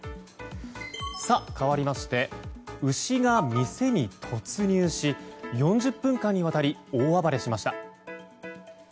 かわりまして、牛が店に突入し４０分間にわたり大暴れしました。